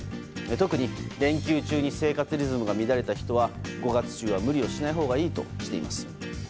特に、連休中に生活リズムが乱れた人は５月中は無理をしないほうがいいとしています。